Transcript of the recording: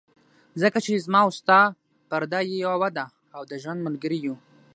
ځکه چې زما او ستا پرده یوه ده، او د ژوند ملګري یو.